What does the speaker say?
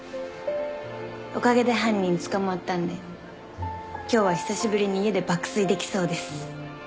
おかげで犯人捕まったんで今日は久しぶりに家で爆睡できそうです。